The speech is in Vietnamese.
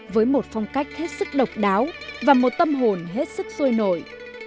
với một phong cách hết sức độc đáo và một tâm hồn hết sức sôi nổi